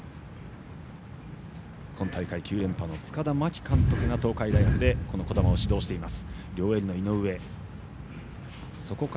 今大会９連覇の塚田真希監督が東海大学でこの児玉を指導しています。